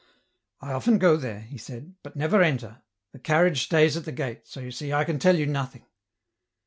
" I often go there," he said, " but never enter, the carriage stays at the gate, so you see I can tell you nothing."